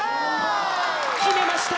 きめました！